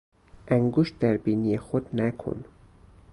انگشت در بینی خود نکن!